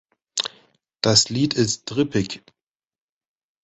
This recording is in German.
Das Lied ist trippig.